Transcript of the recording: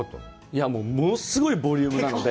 いや、物すごいボリュームなので。